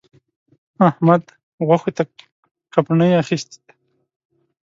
احمد؛ غوښو ته کپڼۍ اخيستی دی.